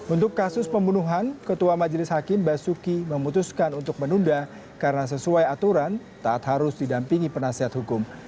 untuk kasus pembunuhan ketua majelis hakim basuki memutuskan untuk menunda karena sesuai aturan taat harus didampingi penasihat hukum